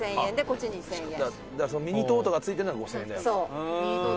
長谷川：「ミニトートが付いてるのが５０００円で」